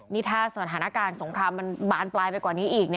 นี่ถ้าสถานการณ์สงครามมันบานปลายไปกว่านี้อีก